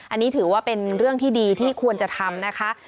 อันนี้ถือว่าเป็นเรื่องที่ดีที่ควรจะทำนะคะ